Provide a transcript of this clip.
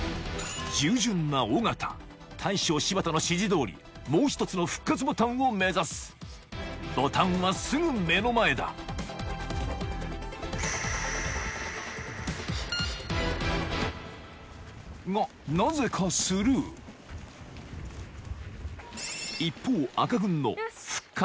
従順な尾形大将柴田の指示どおりもう１つの復活ボタンを目指すボタンはすぐ目の前だがなぜかスルー一方赤軍の復活